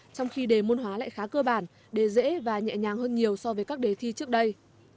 trong khi đề môn hóa lại khá cơ bản để dễ và nhẹ nhàng hơn nhiều so với các đề thi trước đây